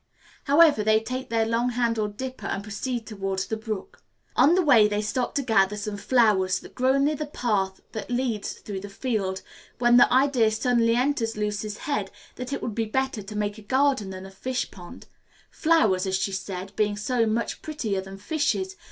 However, they take their long handled dipper and proceed towards the brook. On the way they stop to gather some flowers that grow near the path that leads through the field, when the idea suddenly enters Lucy's head that it would be better to make a garden than a fish pond; flowers, as she says, being so much prettier than fishes.